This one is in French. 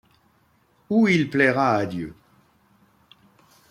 Où il plaira à Dieu!